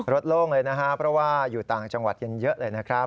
โล่งเลยนะครับเพราะว่าอยู่ต่างจังหวัดกันเยอะเลยนะครับ